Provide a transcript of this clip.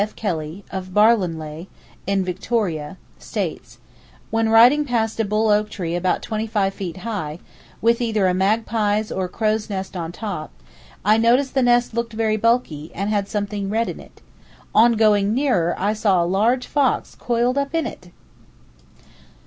F. Kelly, of Barwonleigh, in Victoria, states: "When riding past a bull oak tree about twenty five feet high, with either a magpie's or crow's nest on top. I noticed the nest looked very bulky, and had something red in it. On going nearer I saw a large fox coiled up in it!"